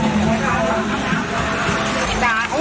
แล้วก็หล่อยเลยนะใหม่แล้วหล่อยเลยนะ